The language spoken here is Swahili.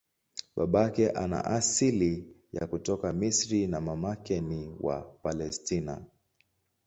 Babake ana asili ya kutoka Misri na mamake ni wa Palestina.